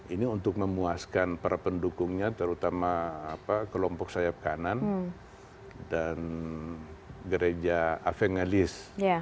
ini untuk memuaskan para pendukungnya terutama kelompok sayap kanan dan gereja avengelis